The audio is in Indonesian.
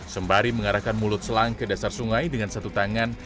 sembari mengarahkan mulut selang ke dasar sungai dengan satu tangan